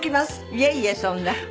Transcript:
いえいえそんな。